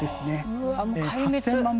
８，０００万